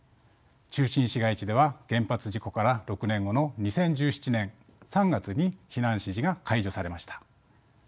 中心市街地では原発事故から６年後の２０１７年３月に避難指示が解除されました。